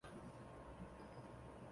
斯托克斯位移。